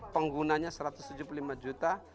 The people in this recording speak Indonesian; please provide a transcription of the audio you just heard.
penggunanya satu ratus tujuh puluh lima juta